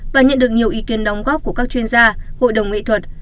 và nhận được nhiều ý kiến đóng góp của các chuyên gia hội đồng nghệ thuật